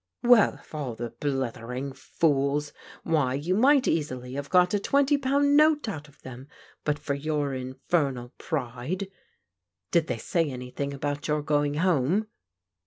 "Well, of all the blithering fools! Why, you might easily have got a twenty pound note out of them, but for your infernal pride. Did they say Bnytbing about your going home